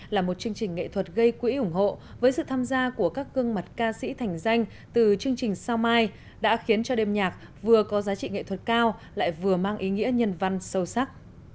là một chương trình nghệ thuật gây quỹ ủng hộ với sự tham gia của các gương mặt ca sĩ thành danh từ chương trình sao mai đã khiến cho đêm nhạc vừa có giá trị nghệ thuật cao lại vừa mang ý nghĩa nhân văn sâu sắc